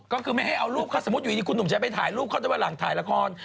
ก็คือไม่ให้เอารูปถ้าสมมุติอยู่ดีคุณหนุ่มจะไปถ่ายรูปเขาแต่ว่าหลังถ่ายละคร